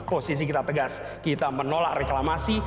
posisi kita tegas kita menolak reklamasi